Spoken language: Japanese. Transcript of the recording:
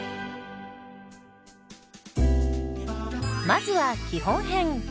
まずは基本編。